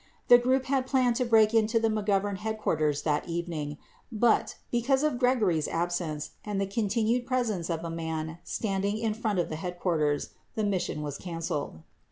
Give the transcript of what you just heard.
The group had planned to break into the McGovern headquarters that evening but, because of Gregory's absence and the continued presence of a man standing in front of the headquarters, the mission was canceled.